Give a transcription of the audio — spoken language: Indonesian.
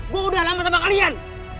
bu udah lama sama kalian